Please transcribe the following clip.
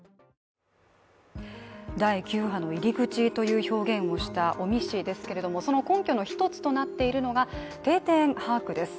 第９波の入り口という表現をした尾身氏ですがその根拠の一つとなっているのが定点把握です。